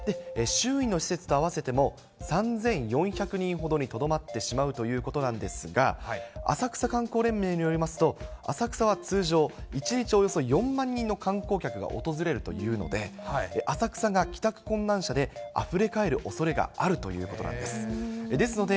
周囲の施設と合わせても３４００人ほどにとどまってしまうということなんですが、浅草観光連盟によりますと、浅草は通常、１日およそ４万人の観光客が訪れるというので、浅草が帰宅困難者であふれ返るおそれがあるということなんです。